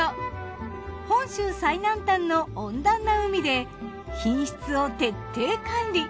本州最南端の温暖な海で品質を徹底管理。